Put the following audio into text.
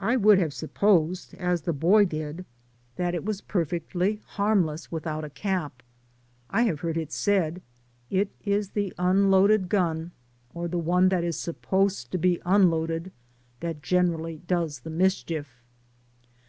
I would have supposed, as the boy did, that it was perfectly harmless without a cap. I have heard it said, "It is the unloaded gun, or the one that is supposed to be unloaded, that generally does the mischief."